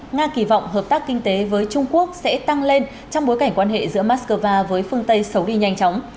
nga kỳ vọng hợp tác kinh tế với trung quốc sẽ tăng lên trong bối cảnh quan hệ giữa moscow với phương tây xấu đi nhanh chóng